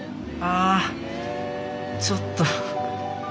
あちょっと。